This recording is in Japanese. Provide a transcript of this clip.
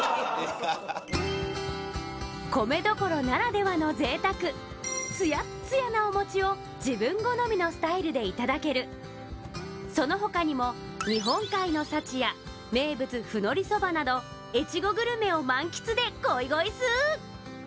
米どころならではの贅沢つやっつやなお餅を自分好みのスタイルでいただけるその他にも日本海の幸や名物ふのりそばなど越後グルメを満喫でゴイゴイスー！